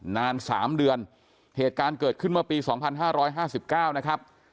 นานสามเดือนเหตุการณ์เกิดขึ้นเมื่อปีสองพันห้าร้อยห้าสิบเก้านะครับ